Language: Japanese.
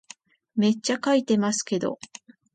めっちゃ書いてますけど